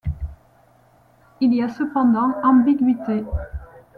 Il y a cependant ambiguïté.